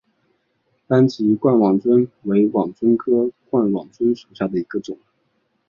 斑脊冠网蝽为网蝽科冠网蝽属下的一个种。